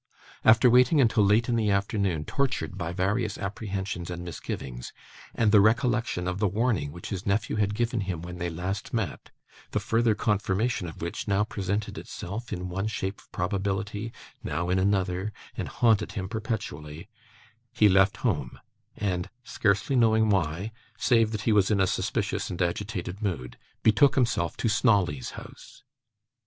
After waiting until late in the afternoon, tortured by various apprehensions and misgivings, and the recollection of the warning which his nephew had given him when they last met: the further confirmation of which now presented itself in one shape of probability, now in another, and haunted him perpetually: he left home, and, scarcely knowing why, save that he was in a suspicious and agitated mood, betook himself to Snawley's house.